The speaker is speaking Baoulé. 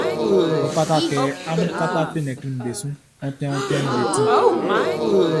Ɔ fata kɛ amun kata fenɛtriʼm be su, onti ontinʼm be ti.